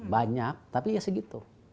banyak tapi ya segitu